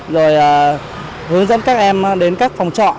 rồi hướng dẫn các em đến các phòng trọ